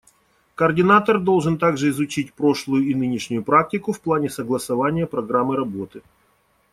Координатор должен также изучить прошлую и нынешнюю практику в плане согласования программы работы.